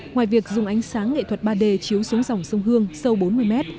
ngoài việc dùng ánh sáng nghệ thuật ba d chiếu xuống dòng sông hương sâu bốn mươi mét